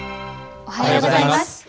おはようございます。